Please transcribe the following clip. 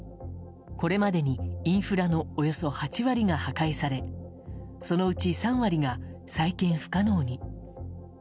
これまでにインフラのおよそ８割が破壊されそのうち３割が再建不可能に。